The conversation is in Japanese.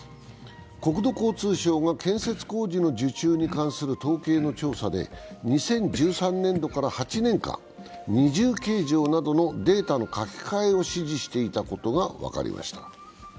国道交通省が建設工事受注に関する統計の調査で２０１３年度から８年間、二重計上などのデータの書き換えを指示していたことが分かりました。